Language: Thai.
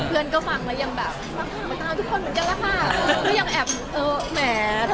เพื่อนก็ฟังแล้วยังแบบ